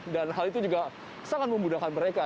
dan hal itu juga sangat memudahkan mereka